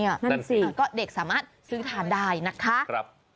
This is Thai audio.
นั่นสิก็เด็กสามารถซื้อทานได้นะคะ